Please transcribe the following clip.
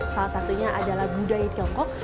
salah satunya adalah budaya tiongkok